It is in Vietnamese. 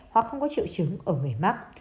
hoặc không có triệu chứng ở người mắc